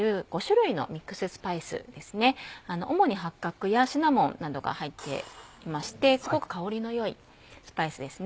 主に八角やシナモンなどが入っていましてすごく香りのよいスパイスですね。